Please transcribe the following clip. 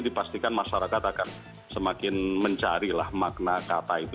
dipastikan masyarakat akan semakin mencari lah makna kata itu